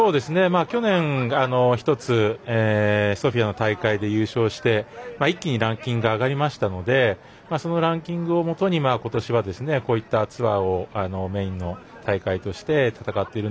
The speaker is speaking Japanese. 去年１つソフィアの大会で優勝して一気にランキングが上がりましたのでそのランキングをもとに今年は、こういったツアーをメインの大会として戦っている。